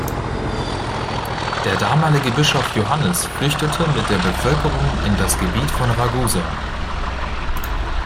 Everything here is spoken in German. Der damalige Bischof Johannes flüchtete mit der Bevölkerung in das Gebiet von Ragusa.